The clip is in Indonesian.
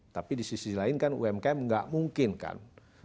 tapi di sisi lain kan umkm nggak mungkin kan